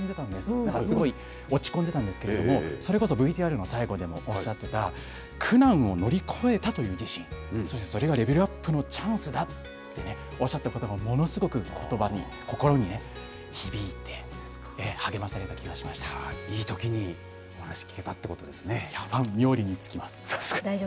だからすごい落ち込んでたんですけれども、それこそＶＴＲの最後でもおっしゃってた、苦難を乗り越えたという自信、そして、それがレベルアップのチャンスだってね、おっしゃったことが、ものすごく心に響いて、励まされた気がいいときにお話聞けたというファンみょうりに尽きます。